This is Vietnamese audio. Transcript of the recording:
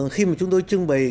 khi mà chúng tôi trưng bày